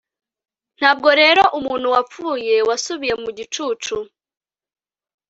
Ntabwo rero umuntu wapfuye wasubiye mu gicucu